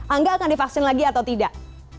angga akan divaksin lagi atau tidak